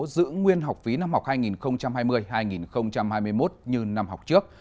giữ nguyên học phí năm học hai nghìn hai mươi hai nghìn hai mươi một như năm học trước